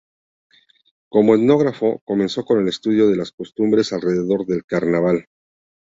Como etnógrafo, comenzó con el estudio de las costumbres alrededor del carnaval.